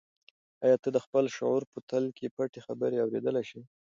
آیا ته د خپل شعور په تل کې پټې خبرې اورېدلی شې؟